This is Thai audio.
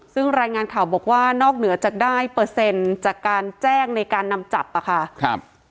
ซึ่งรายงานข่าวบอกว่านอกเหนือจากได้เปอร์เซ็นต์จากการแจ้งในการนำจับอะค่ะครับ